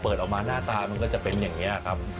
ออกมาหน้าตามันก็จะเป็นอย่างนี้ครับ